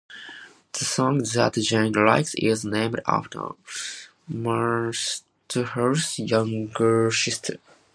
"The Song That Jane Likes" is named after Matthews' younger sister.